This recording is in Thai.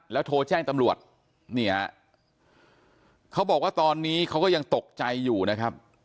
โทรแจ้งตำรวจเนี่ยเขาบอกว่าตอนนี้เขาก็ยังตกใจอยู่นะครับ